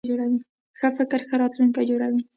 ښه فکر ښه راتلونکی جوړوي.